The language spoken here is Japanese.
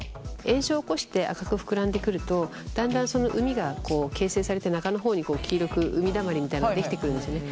炎症を起こして赤く膨らんでくるとだんだんその膿が形成されて中の方に黄色く膿だまりみたいなのができてくるんですね。